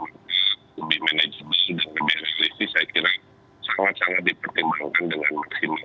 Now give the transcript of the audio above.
lebih manajer sudah lebih resresi saya kira sangat sangat dipertimbangkan dengan maksimal